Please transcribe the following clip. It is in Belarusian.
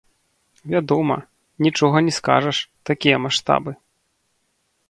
Вядома, нічога не скажаш, такія маштабы!